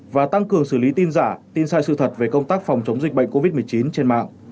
và tăng cường xử lý tin giả tin sai sự thật về công tác phòng chống dịch bệnh covid một mươi chín trên mạng